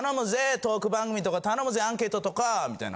トーク番組とか頼むぜアンケートとかみたいな。